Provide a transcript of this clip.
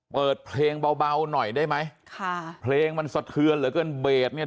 เปิดเพลงเบาหน่อยได้ไหมค่ะเพลงมันสะเทือนเหลือเกินเบสเนี่ย